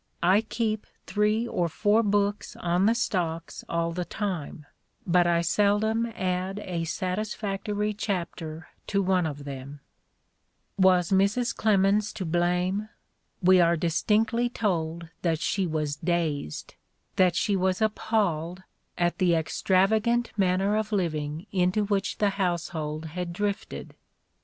... I keep three or four books on the stocks all the time, but I seldom add a satisfactory chapter to one of them." Was Mrs. Clemens to blame? We are distinctly told that she was dazed, that she was appalled, at the extravagant manner of living into which the household had drifted.